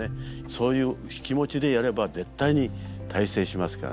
そういう気持ちでやれば絶対に大成しますからね。